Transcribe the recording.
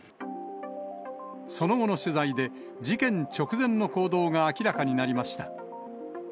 その後の取材で、事件直前の行動が明らかになりました。